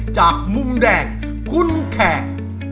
จากมุมแดงคุณแขก